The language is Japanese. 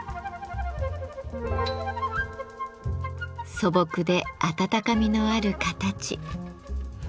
素朴で温かみのある形。